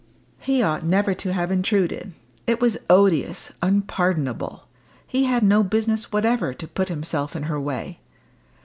He ought never to have intruded; it was odious, unpardonable; he had no business whatever to put himself in her way!